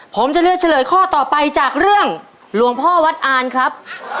ผมจะเลือกเฉลยข้อต่อไปจากเรื่องหลวงพ่อวัดอ่านครับ